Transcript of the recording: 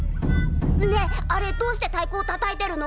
ねえあれどうしてたいこをたたいてるの？